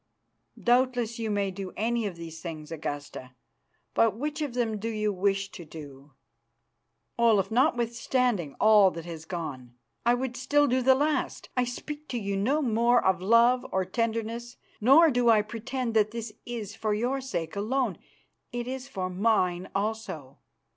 "Doubtless you may do any of these things, Augusta, but which of them do you wish to do?" "Olaf, notwithstanding all that has gone, I would still do the last. I speak to you no more of love or tenderness, nor do I pretend that this is for your sake alone. It is for mine also.